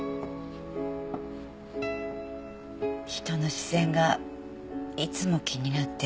人の視線がいつも気になって。